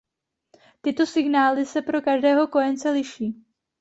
Tyto signály se pro každého kojence liší.